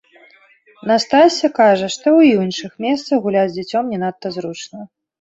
Настасся кажа, што і ў іншых месцах гуляць з дзіцем не надта зручна.